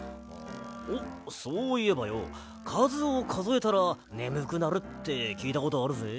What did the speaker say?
おっそういえばよかずをかぞえたらねむくなるってきいたことあるぜ。